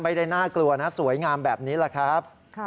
น่ากลัวนะสวยงามแบบนี้แหละครับ